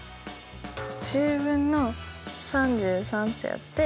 １０分の３３ってやって。